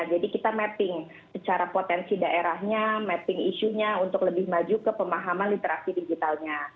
jadi kita mapping secara potensi daerahnya mapping isunya untuk lebih maju ke pemahaman literasi digitalnya